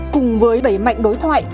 cùng với đẩy mạnh đối thoại